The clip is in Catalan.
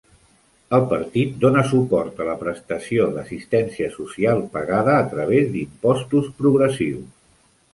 El partit dona suport a la prestació d'assistència social pagada a través d'impostos progressius.